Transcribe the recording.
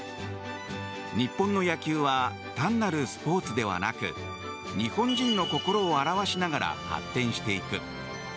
日本の野球は単なるスポーツではなく日本人の心を表しながら発展していく。